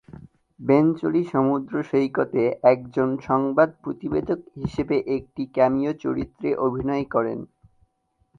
বেঞ্চলি সমুদ্র সৈকতে একজন সংবাদ প্রতিবেদক হিসেবে একটি ক্যামিও চরিত্রে অভিনয় করেন।